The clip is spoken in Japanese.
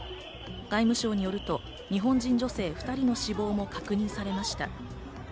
外務省によると日本人女性２人の死亡も確認されました。